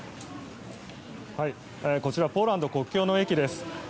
こちらポーランド国境の駅です。